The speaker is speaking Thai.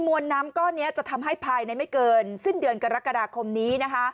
วนน้ำก้อนนี้จะทำให้ภายในไม่เกินสิ้นเดือนกรกฎาคมนี้นะคะ